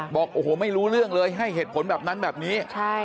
บอกโอ้โหไม่รู้เรื่องเลยให้เหตุผลแบบนั้นแบบนี้